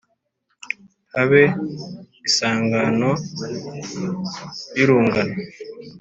Habe isangano y'urungano